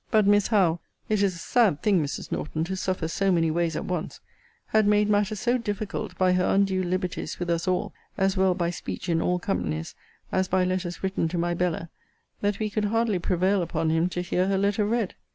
But Miss Howe, [it is a sad thing, Mrs. Norton, to suffer so many ways at once,] had made matters so difficult by her undue liberties with us all, as well by speech in all companies, as by letters written to my Bella, that we could hardly prevail upon him to hear her letter read.